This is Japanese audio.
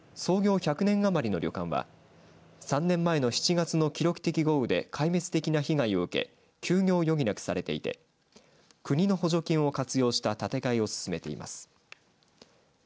１００年余りの旅館は３年前の７月の記録的豪雨で壊滅的な被害を受け休業を余儀なくされていて国の補助金を活用した建て替えを進めています。